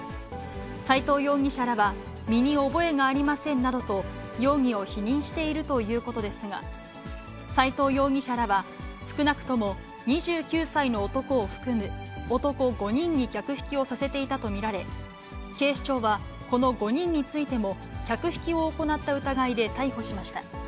斉藤容疑者らは身に覚えがありませんなどと、容疑を否認しているということですが、斉藤容疑者らは少なくとも、２９歳の男を含む男５人に客引きをさせていたと見られ、警視庁はこの５人についても、客引きを行った疑いで逮捕しました。